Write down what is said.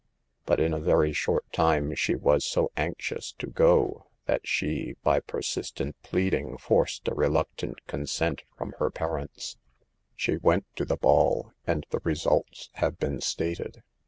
But in a very short time she was so anxious to go that she, by persistent pleading, forced a reluc tant consent from her parents. She went to the ball, and the results have been stated.